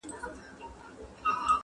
تر مابین مو دي په وېش کي عدالت وي!.